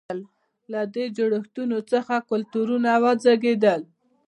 له دې جوړښتونو څخه کلتورونه وزېږېدل.